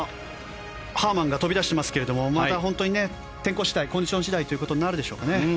ハーマンが飛び出してますがまた天候次第コンディション次第となるでしょうか。